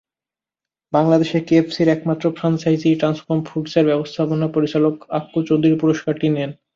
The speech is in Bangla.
বাংলাদেশে কেএফএসির একমাত্র ফ্র্যাঞ্চাইজি ট্রান্সকম ফুডসের ব্যবস্থাপনা পরিচালক আক্কু চৌধুরী পুরস্কারটি নেন।